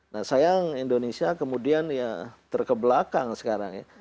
nah sayang indonesia kemudian ya terkebelakang sekarang ya